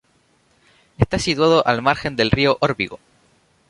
Está situado al margen del río Órbigo.